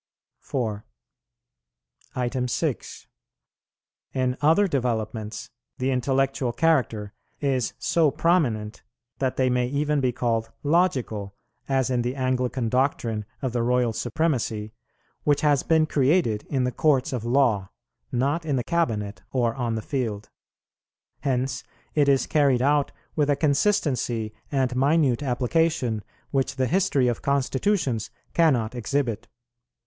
4. 6. In other developments the intellectual character is so prominent that they may even be called logical, as in the Anglican doctrine of the Royal Supremacy, which has been created in the courts of law, not in the cabinet or on the field. Hence it is carried out with a consistency and minute application which the history of constitutions cannot exhibit.